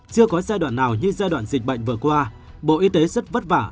chưa có giai đoạn nào như giai đoạn dịch bệnh vừa qua bộ y tế rất vất vả